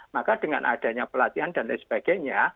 maka dengan adanya pelatihan dan lain sebagainya